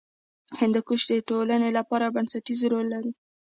هندوکش د ټولنې لپاره بنسټیز رول لري.